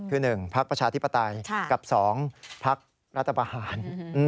คือหนึ่งพักประชาธิปไตรกับสองพักรัฐบาล